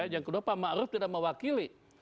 yang kedua pak ma'ruf tidak mewakili